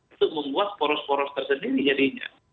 itu membuat poros poros tersendiri jadinya